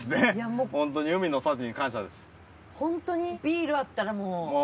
ホントにビールあったらもう。